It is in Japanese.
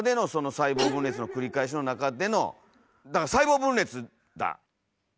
細胞分裂の繰り返しの中での細胞分裂だ！